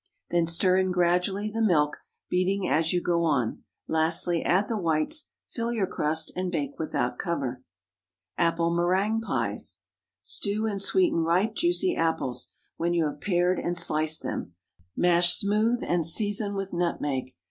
Then stir in gradually the milk, beating as you go on; lastly add the whites; fill your crust and bake without cover. APPLE MÉRINGUE PIES. ✠ Stew and sweeten ripe, juicy apples, when you have pared and sliced them. Mash smooth, and season with nutmeg.